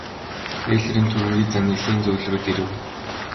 Бэйлорын түрэмгий зан нилээн зөөлрөөд ирэв.